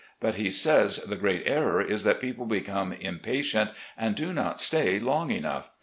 But he says the great error is that people become impatient and do not stay long enough.